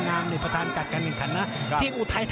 มันมีรายการมวยนัดใหญ่อยู่นัด